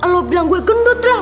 lo bilang gue gendut lah